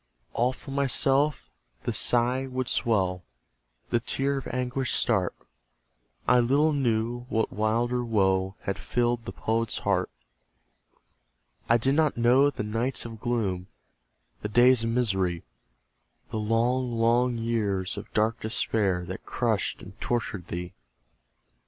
All for myself the sigh would swell, The tear of anguish start; I little knew what wilder woe Had filled the Poet's heart. I did not know the nights of gloom, The days of misery; The long, long years of dark despair, That crushed and tortured thee.